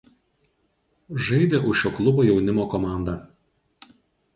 Žaidė už šio klubo jaunimo komandą.